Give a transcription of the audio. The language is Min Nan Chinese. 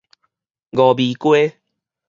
峨眉街